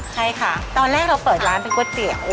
ใช่ค่ะตอนแรกเราเปิดร้านเป็นก๋วยเตี๋ยว